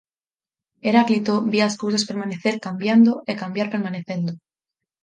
Heráclito vía ás cousas permanecer cambiando e cambiar permanecendo.